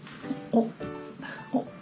おっ！